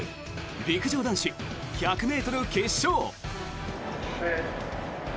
陸上男子１００ｍ決勝。